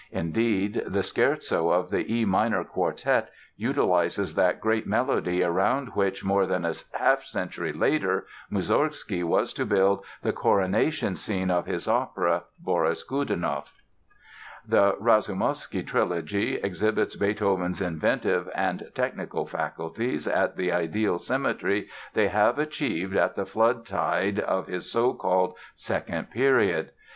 Indeed, the Scherzo of the E minor Quartet utilizes that great melody around which, more than half a century later, Moussorgsky was to build the coronation scene in his opera Boris Godounov. The "Rasoumovsky" trilogy exhibits Beethoven's inventive and technical faculties at the ideal symmetry they had achieved at the flood tide of his so called "Second" period.